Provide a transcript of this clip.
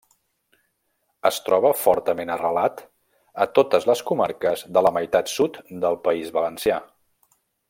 Es troba fortament arrelat a totes les comarques de la meitat sud del País Valencià.